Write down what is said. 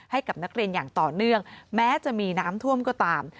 ให้กับนักเรียนอย่างต่อเนื่องแม้จะมีน้ำท่วมก็ตาม